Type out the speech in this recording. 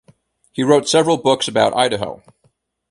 He wrote several books about Idaho.